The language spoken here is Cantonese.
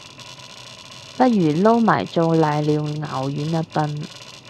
不如撈埋做瀨尿牛丸吖笨